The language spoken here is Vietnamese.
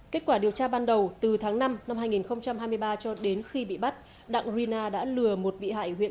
kết quả điều tra ban đầu từ tháng năm năm hai nghìn hai mươi ba cho đến khi bị bắt đặng rina đã lừa một bị hại huyện